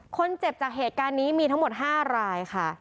จากเหตุการณ์นี้มีทั้งหมด๕รายค่ะ